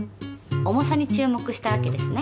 重さに注目したわけですね。